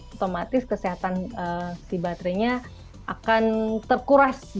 otomatis kesehatan si baterainya akan terkuras